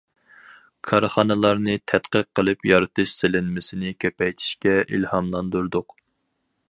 كارخانىلارنى تەتقىق قىلىپ يارىتىش سېلىنمىسىنى كۆپەيتىشكە ئىلھاملاندۇردۇق.